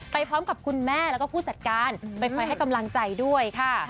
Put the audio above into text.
ไปพร้อมกับคุณแม่แล้วก็ผู้จัดการไปคอยให้กำลังใจด้วยค่ะ